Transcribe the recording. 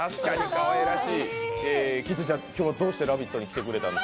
今日はどうして「ラヴィット！」に来てくれたんですか？